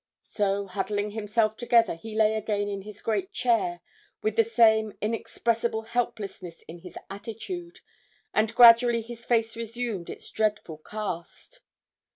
So, huddling himself together, he lay again in his great chair, with the same inexpressible helplessness in his attitude, and gradually his face resumed its dreadful cast.